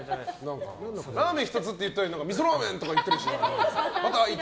ラーメン１つって言ったりみそラーメンって言ってた。